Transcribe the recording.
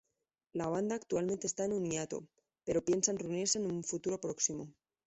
La banda actualmente está en un hiato, pero piensan reunirse en un futuro próximo.